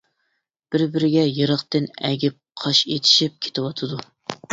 بىر-بىرىگە يىراقتىن ئەگىپ قاش ئېتىشىپ كېتىۋاتىدۇ.